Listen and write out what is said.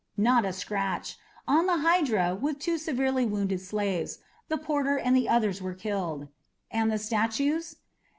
"Not a scratch. On the Hydra, with two severely wounded slaves. The porter and the others were killed." "And the statues?"